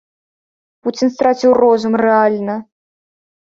Пуцін страціў розум рэальна!